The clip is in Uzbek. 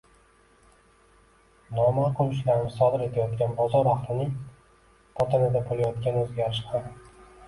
noma’qul ishlarni sodir etayotgan bozor ahlining botinida bo‘layotgan o‘zgarish ham...